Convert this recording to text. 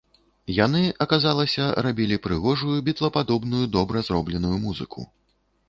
Яны, аказалася, рабілі прыгожую бітлападобную добра зробленую музыку.